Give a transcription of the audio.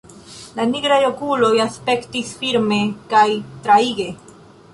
La nigraj okuloj aspektis firme kaj traige.